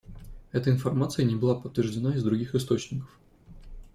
Эта информация не была подтверждена из других источников.